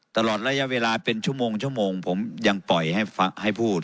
ตลอดระยะเวลาเป็นชั่วโมงชั่วโมงผมยังปล่อยให้พูด